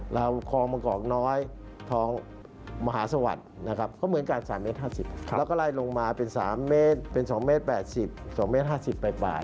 เราคลองมังกอกน้อยคลองมหาสวรรค์ก็เหมือนกัน๓๕๐เมตรแล้วก็ไล่ลงมาเป็น๓เมตรเป็น๒๘๐เมตร๒๕๐เมตรไป